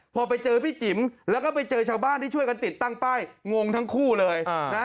พอไปเจอพี่จิ๋มแล้วก็ไปเจอชาวบ้านที่ช่วยกันติดตั้งป้ายงงทั้งคู่เลยนะ